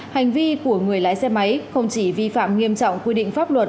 hành vi của người lái xe máy không chỉ vi phạm nghiêm trọng quy định pháp luật